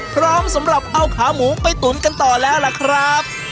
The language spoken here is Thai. สำหรับเอาขาหมูไปตุ๋นกันต่อแล้วล่ะครับ